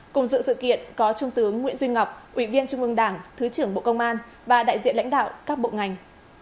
cùng dự sự kiện có trung tướng nguyễn duy ngọc ủy viên trung ương đảng thứ trưởng bộ công an và đại diện lãnh đạo các bộ ngành